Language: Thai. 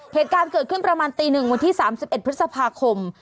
เหตุการณ์เกิดขึ้นประมาณตี๑วันที่๓๑พฤษภาคม